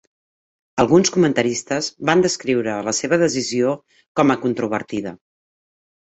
Alguns comentaristes van descriure la seva decisió com a controvertida.